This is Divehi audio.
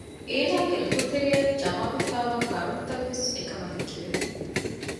އޭނާގެ ލޯތެރެއަށް ޖަމާވެފައިވާ ކަރުނަތައްވެސް އެކަމަށް ހެކިވެ